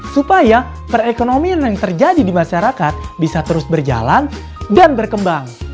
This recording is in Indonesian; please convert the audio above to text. supaya perekonomian yang terjadi di masyarakat bisa terus berjalan dan berkembang